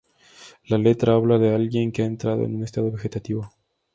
La letra habla de alguien que ha entrado en un estado vegetativo.